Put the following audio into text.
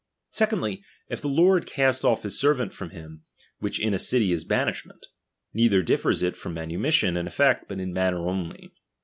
Secondly, if the lord cast off his servant from him ; which in a city is banishment ; neither differs it from manu » mission in effect, but in maimer only.